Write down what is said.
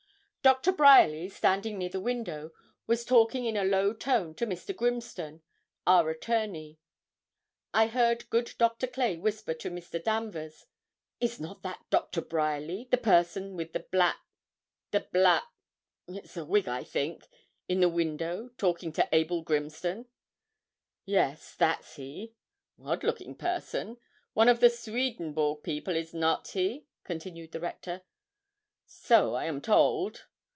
Doctor Bryerly, standing near the window, was talking in a low tone to Mr. Grimston, our attorney. I heard good Dr. Clay whisper to Mr. Danvers 'Is not that Doctor Bryerly the person with the black the black it's a wig, I think in the window, talking to Abel Grimston?' 'Yes; that's he.' 'Odd looking person one of the Swedenborg people, is not he?' continued the Rector. 'So I am told.'